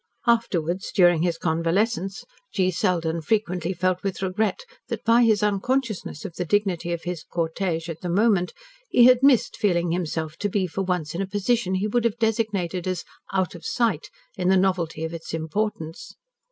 Afterwards, during his convalescence, G. Selden frequently felt with regret that by his unconsciousness of the dignity of his cortege at the moment he had missed feeling himself to be for once in a position he would have designated as "out of sight" in the novelty of its importance.